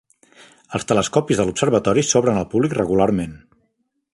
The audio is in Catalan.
Els telescopis de l'observatori s'obren al públic regularment.